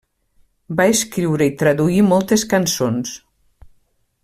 Va escriure i traduir moltes cançons.